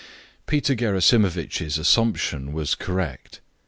Peter Gerasimovitch's assumption was correct.